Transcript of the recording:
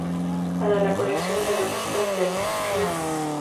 Para la "Colección de las vistas del Rl.